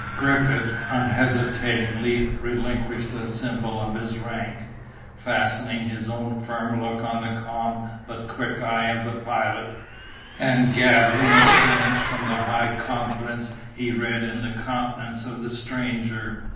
Griffith unhesitatingly relinquished the symbol of his rank, fastening his own firm look on the calm but quick eye of the Pilot, and gathering assurance from the high confidence he read in the countenance of the stranger.